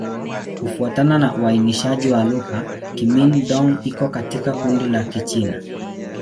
Kufuatana na uainishaji wa lugha, Kimin-Dong iko katika kundi la Kichina.